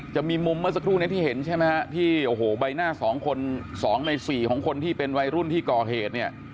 จะมีมุมเมื่อสักครู่นี้ที่เห็นใช่ไหมฮะที่โอ้โหใบหน้า๒คน๒ใน๔ของคนที่เป็นวัยรุ่นที่ก่อเหตุเนี่ย